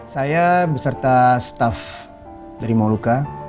saya beserta staff dari maluka